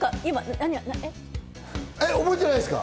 覚えてないですか？